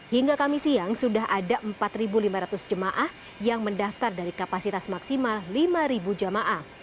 hingga kami siang sudah ada empat lima ratus jemaah yang mendaftar dari kapasitas maksimal lima jamaah